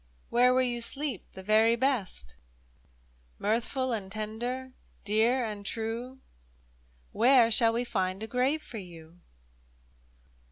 Where will you sleep the very best ? Mirthful and tender, dear and true — Where shall we find a grave for you